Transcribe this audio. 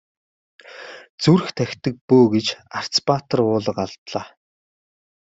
Зүрх тахидаг бөө гэж Арц баатар уулга алдлаа.